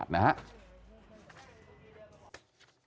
ดูราคากันหน่อย